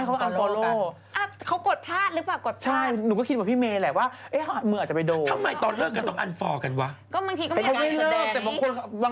ก็คือหนูก็ดูข่าวน้องชีพกับน้ององตัวแหละ